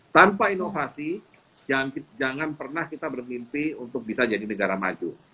tanpa inovasi jangan pernah kita bermimpi untuk bisa jadi negara maju